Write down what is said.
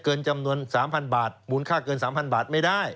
จำนวน๓๐๐บาทมูลค่าเกิน๓๐๐บาทไม่ได้